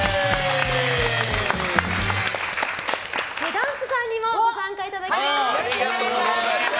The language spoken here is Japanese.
ダンプさんにもご参加いただきます。